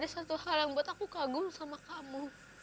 dari dulu ada satu hal yang buat aku kagum sama kamu